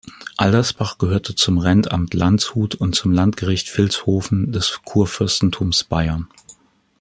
Aldersbach gehörte zum Rentamt Landshut und zum Landgericht Vilshofen des Kurfürstentums Bayern.